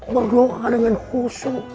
berdoa dengan khusus